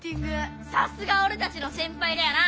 さすがおれたちの先輩だよな！